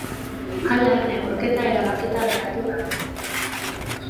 Hala, neurketa erabakita geratu da.